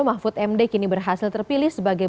mahfud md kini berhasil terpilih sebagai